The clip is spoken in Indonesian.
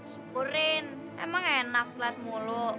syukurin emang enak lihat mulu